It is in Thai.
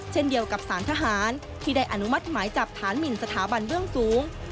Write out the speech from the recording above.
เช่นเดียวกับสารทหารที่ได้อนุมัติหมายจับฐานหมินสถาบันเบื้องสูง